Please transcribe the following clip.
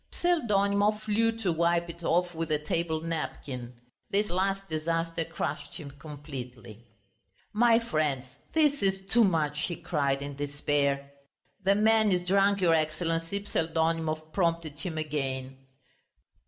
Pseldonimov flew to wipe it off with a table napkin. This last disaster crushed him completely. "My friends, this is too much," he cried in despair. "The man is drunk, your Excellency," Pseldonimov prompted him again.